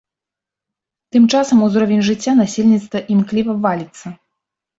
Тым часам узровень жыцця насельніцтва імкліва валіцца.